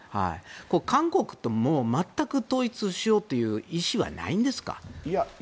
韓国とも全く統一しようという意思ないんですか。